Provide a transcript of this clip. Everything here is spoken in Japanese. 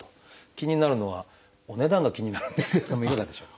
気になるのはお値段が気になるんですけれどもいかがでしょう？